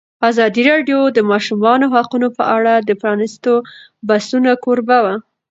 ازادي راډیو د د ماشومانو حقونه په اړه د پرانیستو بحثونو کوربه وه.